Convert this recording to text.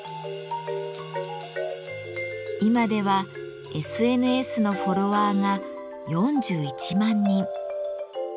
今ではＳＮＳのフォロワーが４１万人。